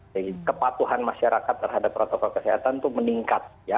jadi kepatuhan masyarakat terhadap protokol kesehatan itu meningkat